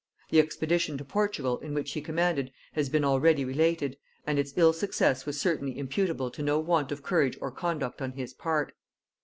The expedition to Portugal in which he commanded has been already related, and its ill success was certainly imputable to no want of courage or conduct on his part.